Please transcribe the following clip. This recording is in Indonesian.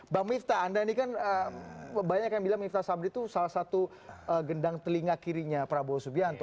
bang mifta anda ini kan banyak yang bilang miftah sabri itu salah satu gendang telinga kirinya prabowo subianto